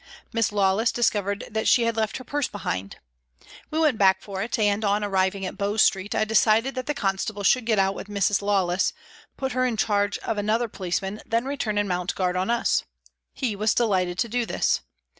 Miss Lawless discovered that she had left her purse behind. We went back for it, and, on arriving at Bow Street, I decided that the constable should get out with Miss Lawless, put her in charge of another policeman, then return and mount guard on us. He was delighted to do this.